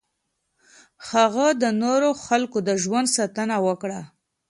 هغه د نورو خلکو د ژوند ساتنه وکړه.